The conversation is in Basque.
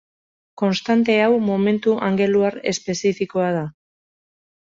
Konstante hau momentu angeluar espezifikoa da.